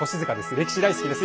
歴史大好きです。